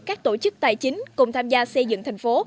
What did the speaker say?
các tổ chức tài chính cùng tham gia xây dựng thành phố